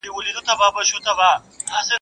ورېنداري خواره دي غواړم نو نه چي د لالا د غمه.